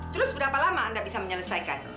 terus berapa lama anda bisa menyelesaikan